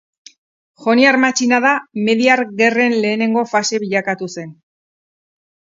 Joniar matxinada Mediar Gerren lehenengo fase bilakatu zen.